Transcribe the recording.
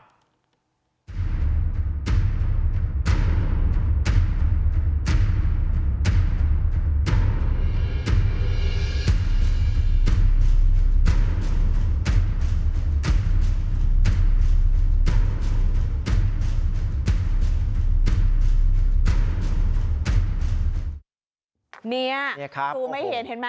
พี่ถูกไม่เห็นเห็นไหม